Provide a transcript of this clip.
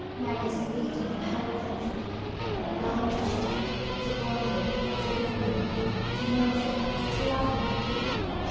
Marius had beaten the whole country; he had gone to Chelles, to Bondy, to Gourney, to Nogent, to Lagny.